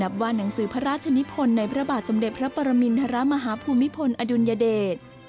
ว่าหนังสือพระราชนิพลในพระบาทสมเด็จพระปรมินทรมาฮภูมิพลอดุลยเดช